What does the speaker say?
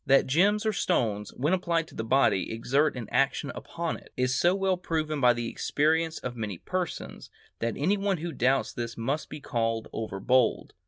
That gems or stones, when applied to the body, exert an action upon it, is so well proven by the experience of many persons, that any one who doubts this must be called over bold.